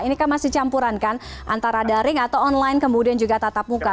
ini kan masih campuran kan antara daring atau online kemudian juga tatap muka